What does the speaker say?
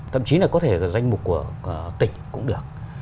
thậm chí là có thể là danh mục của tỉnh cũng được